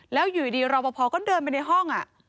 แล้วอยู่ดีรอปภก็เดินไปในห้อง